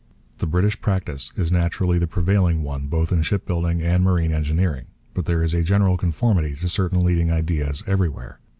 The British practice is naturally the prevailing one both in shipbuilding and marine engineering. But there is a general conformity to certain leading ideas everywhere.